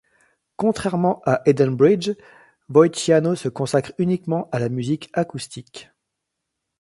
Contrairement à Edenbridge, Voiciano se consacre uniquement à la musique acoustique.